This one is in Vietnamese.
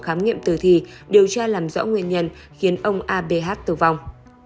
khám nghiệm từ thì điều tra làm rõ nguyên nhân khiến ông a b h tử vong